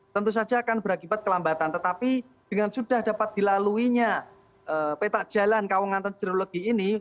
tentu saja akan berakibat kelambatan tetapi dengan sudah dapat dilaluinya peta jalan kawangan jerologi ini